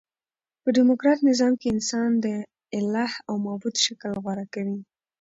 په ډیموکراټ نظام کښي انسان د اله او معبود شکل غوره کوي.